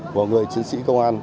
của người chiến sĩ công an